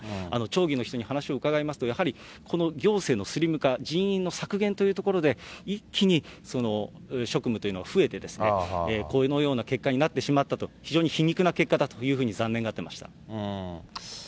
町議の人に話を伺いますと、やはりこの行政のスリム化、人員の削減というところで、一気に職務というのが増えて、このような結果になってしまったと、非常に皮肉な結果だというふうに残念がってました。